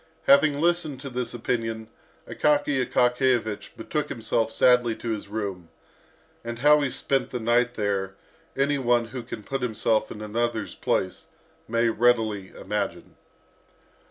Having listened to this opinion, Akaky Akakiyevich betook himself sadly to his room. And how he spent the night there, any one who can put himself in another's place may readily imagine.